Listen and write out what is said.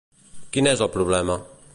Quin és el problema?